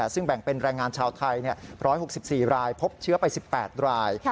ซึ่งแบ่งเป็นแรงงานชาวไทย๑๖๔รายพบเชื้อไป๑๘ราย